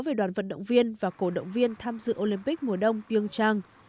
về đoàn vận động viên và cổ động viên tham dự olympic mùa đông pyeongchang